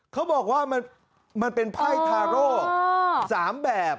เขาบอกว่ามันเป็นไพ่ทาโร่๓แบบ